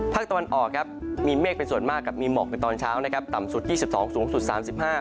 ภาคตะวันออกมีเมฆเป็นส่วนมากมีหมอกในตอนเช้าต่ำสุด๒๒องศาเซียตสูงสุด๓๕องศาเซียต